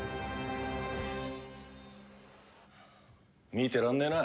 見てらんねえな。